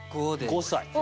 ５歳。